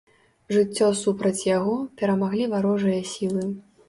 Жыццё супраць яго, перамаглі варожыя сілы.